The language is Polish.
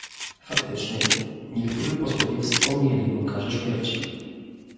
Faktycznie, niektórzy posłowie wspomnieli o karze śmierci